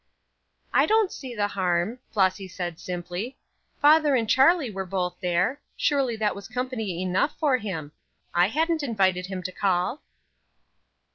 "I don't see the harm," Flossy said, simply. "Father and Charlie were both there. Surely that was company enough for him. I hadn't invited him to call."